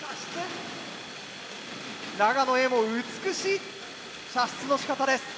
長野Ａも美しい射出のしかたです。